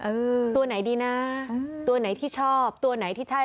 เออตัวไหนดีนะตัวไหนที่ชอบตัวไหนที่ใช่